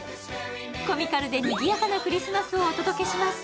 コミカルでにぎやかなクリスマスをお届けします。